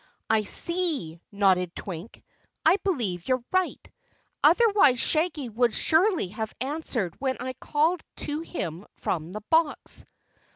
"I see," nodded Twink. "I believe you're right. Otherwise Shaggy would surely have answered when I called to him from the box."